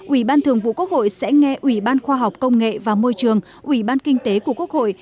ủy ban thường vụ quốc hội sẽ nghe ủy ban khoa học công nghệ và môi trường ủy ban kinh tế của quốc hội